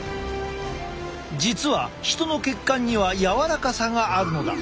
実は人の血管には柔らかさがあるのだ。